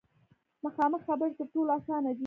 مخامخ خبرې تر ټولو اسانه دي.